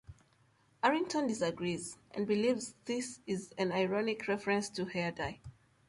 Harrington disagrees, and believes this is an ironic reference to hair dye.